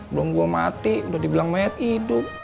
belum gua mati udah dibilang mayat hidup